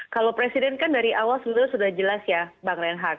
kalau presiden kan dari awal sebetulnya sudah jelas ya bang reinhardt